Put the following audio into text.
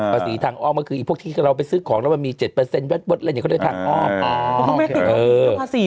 ภาษีทางออกก็คือพวกที่เราไปซื้อของแล้วมันมี๗แวดอะไรอย่างนี้